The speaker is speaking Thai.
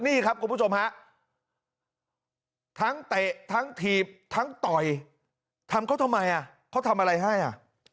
นี่ครับคุณผู้ชมฮะทั้งเตะทั้งถีบทั้งต่อยทำเขาทำไมอ่ะเขาทำอะไรให้อ่ะ